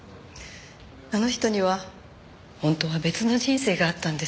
あの人には本当は別の人生があったんです。